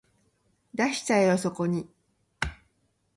出しちゃえよそこに